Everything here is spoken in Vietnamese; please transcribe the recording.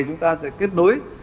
chúng ta sẽ kết nối